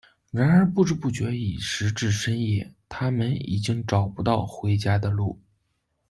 然而不知不觉已时至深夜，她们已然找不到回家的路。